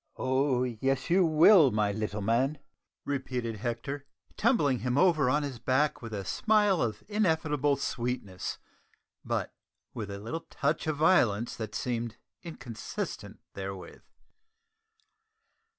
"Oh, yes, you will, my little man!" repeated Hector, tumbling him over on his back with a smile of ineffable sweetness, but with a little touch of violence that seemed inconsistent therewith.